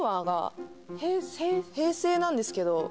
平成なんですけど。